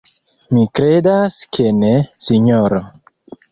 Mi kredas ke ne, sinjoro.